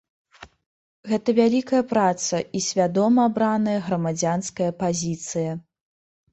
Гэта вялікая праца і свядома абраная грамадзянская пазіцыя.